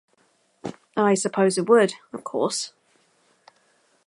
I suppose it would, of course.